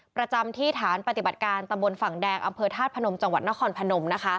ประจำที่ฐานปฏิบัติการตำบลฝั่งแดงอำเภอธาตุพนมจังหวัดนครพนม